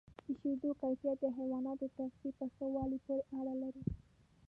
د شیدو کیفیت د حیواناتو د تغذیې په ښه والي پورې اړه لري.